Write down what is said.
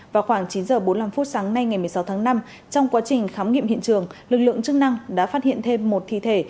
vào khoảng chín h bốn mươi năm phút sáng nay ngày một mươi sáu tháng năm trong quá trình khám nghiệm hiện trường lực lượng chức năng đã phát hiện thêm một thi thể